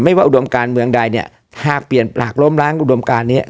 ไม่ว่าอุดมการเมืองใดเนี่ยหากล้มล้างอุดมการเนี่ย